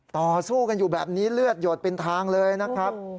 ต่อสู้กันอยู่แบบนี้เลือดหยดเป็นทางเลยนะครับ